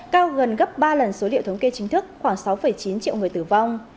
cao gần gấp ba lần số liệu thống kê chính thức khoảng sáu chín triệu người tử vong